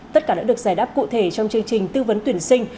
tất cả đã được giải đáp cụ thể trong chương trình tư vấn tuyển sinh